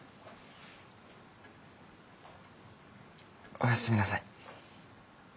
おやすみなさい。